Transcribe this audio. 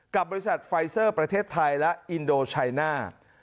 กับบริษัทไฟเซอร์ประเทศไทยและอินโดชัยหน้า